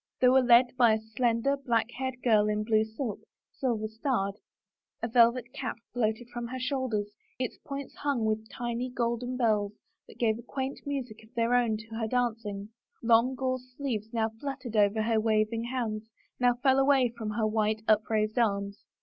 They were led by a slender, black haired girl in blue silk, silver starred. A velvet cape floated from her shoulders, its points hung with tiny golden bells that gave a quaint music of their own to her dancing; long gauze sleeves now fluttered over her waving hands, now fell away from her white, upraised arms.